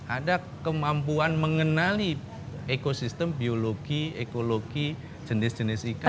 ada kemampuan mengenali ekosistem biologi ekologi jenis jenis ikan